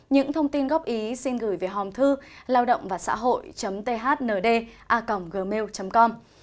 những thông tin góp ý xin gửi về hòm thư lao độngvasahoi thnda gmail com